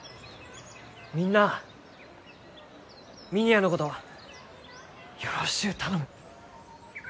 みんなあ峰屋のことよろしゅう頼む。